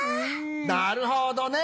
なるほどね！